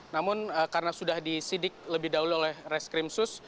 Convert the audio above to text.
namun karena sudah disidik lebih dahulu oleh reskrimsus